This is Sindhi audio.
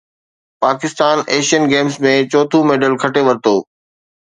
پاڪستان ايشين گيمز ۾ چوٿون ميڊل کٽي ورتو